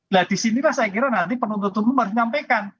nah disinilah saya kira nanti penuntut umum harus menyampaikan